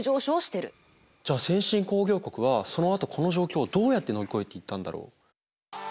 じゃあ先進工業国はそのあとこの状況をどうやって乗り越えていったんだろう？